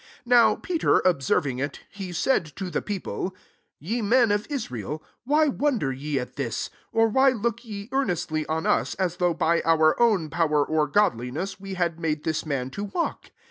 12 Now Peter observing iV, he said to the people, " Ye men of Israel, why wonder ye at this ? or why look ye earnestly on us, as though by our own power or godliness we had made this man to walk